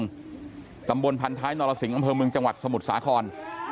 ตำบลพันท้ายนรสิงห์อำเภอเมืองจังหวัดสมุทรสาคร